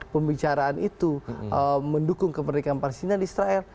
pembicaraan itu mendukung kemerdekaan palestina di israel